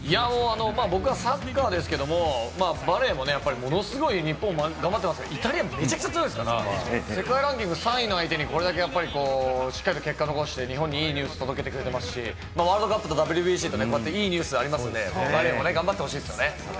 僕はサッカーですけれど、バレーもものすごい日本頑張ってますけれど、イタリア、めちゃくちゃ強いですから、世界ランキング３位の相手にこれだけしっかりと結果を残して日本にいいニュースを届けてくれてますし、ワールドカップ、ＷＢＣと、いいニュースがあるのでバレーも頑張ってほしいですね。